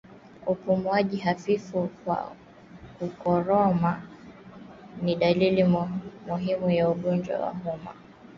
Upumuaji hafifu kwa kukoroma ni dalili muhimu ya ugonjwa wa homa ya mapafu